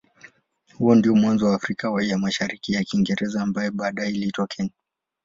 Huo ndio mwanzo wa Afrika ya Mashariki ya Kiingereza ambaye baadaye iliitwa Kenya.